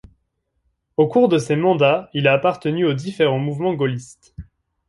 Aux cours de ses mandats, il a appartenu aux différents mouvements gaullistes.